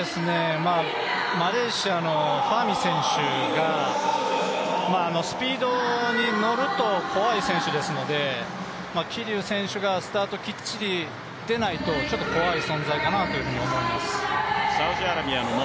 マレーシアのファミ選手がスピードに乗ると怖い選手ですので、桐生選手がスタートきっちり出ないと、ちょっと怖い存在かなと思います。